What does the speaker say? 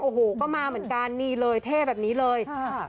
โอ้โหก็มาเหมือนกันนี่เลยเท่แบบนี้เลยค่ะ